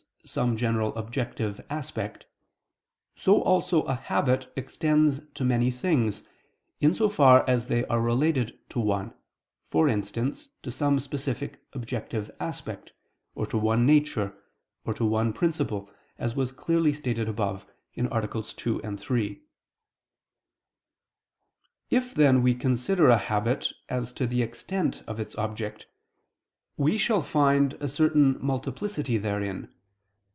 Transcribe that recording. some general objective aspect, so also a habit extends to many things, in so far as they are related to one, for instance, to some specific objective aspect, or to one nature, or to one principle, as was clearly stated above (AA. 2, 3). If then we consider a habit as to the extent of its object, we shall find a certain multiplicity therein.